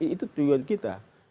itu tujuan kita